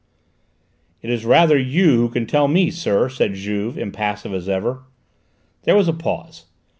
"It is rather you who can tell me, sir," said Juve, impassive as ever. There was a pause.